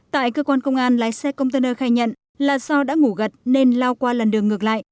tại cơ quan công an lái xe container khai nhận là do đã ngủ gật nên lao qua làn đường ngược lại